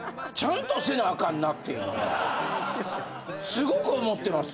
すごく思ってます。